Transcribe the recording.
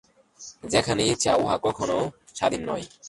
যেখানেই ইচ্ছা, উহা কখনও স্বাধীন নয়।